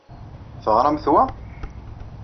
Teɣṛamt wa?